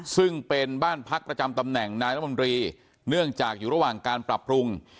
ซึ่งเป็นบ้านพักประจำตำแหน่งนายรัฐมนตรีเนื่องจากอยู่ระหว่างการปรับปรุง